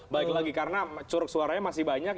baik lagi karena curug suaranya masih banyak